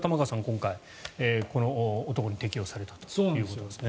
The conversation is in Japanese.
今回、この男に適用されたということですね。